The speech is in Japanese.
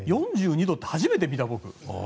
４２度って初めて見た、僕。